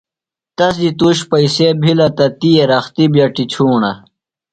تس دی تُوش پئیسے بِھلہ تہ تی رختیۡ بیۡ اٹیۡ چُھوݨہ۔